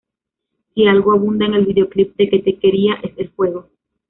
Si algo abunda en el videoclip de Que te quería es el fuego.